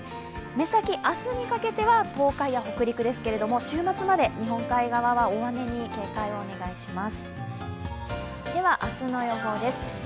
目先、明日にかけては東海や北陸ですけれども、週末まで日本海側は大雨に警戒をお願いします。